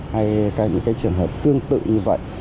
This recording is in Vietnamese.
hay những cái trường hợp tương tự như vậy